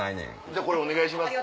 じゃあこれお願いします。